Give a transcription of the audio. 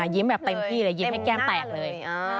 ยิ้มแบบเต็มที่เลยยิ้มให้แก้มแตกเลย